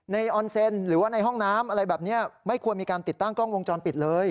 ในห้องน้ำอะไรแบบนี้ไม่ควรมีการติดตั้งกล้องวงจรปิดเลย